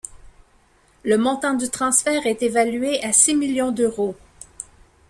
Le montant du transfert est évalué à six millions d'euros.